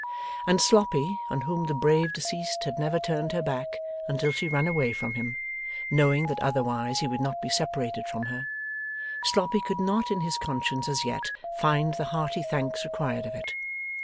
And Sloppy on whom the brave deceased had never turned her back until she ran away from him, knowing that otherwise he would not be separated from her Sloppy could not in his conscience as yet find the hearty thanks required of it.